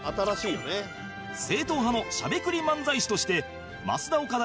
正統派のしゃべくり漫才師としてますだおかだ